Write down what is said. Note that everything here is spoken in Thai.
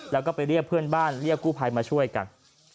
แล้วก็ไปเรียกเพื่อนบ้านเรียกกู้ภัยมาช่วยกัน